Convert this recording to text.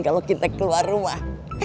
kalau kita keluar rumah